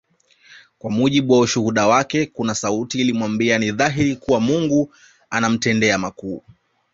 Kwa mujibu wa ushuhuda wake kuna sauti ilimwambia ni dhahiri kuwa Mungu alimtendea makuu